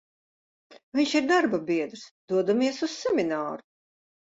Vinš ir darbabiedrs, dodamies uz semināru.